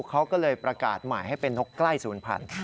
เขาก็เลยประกาศใหม่ให้เป็นนกใกล้ศูนย์พันธุ